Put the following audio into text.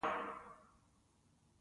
سړي خپل لوند څادر پر تړلې بستره وغوړاوه.